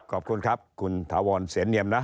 ขอบคุณครับคุณถาวรเสนเนียมนะ